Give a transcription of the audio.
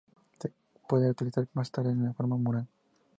Se puede actualizar más tarde de forma manual.